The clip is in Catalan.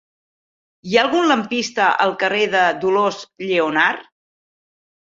Hi ha algun lampista al carrer de Dolors Lleonart?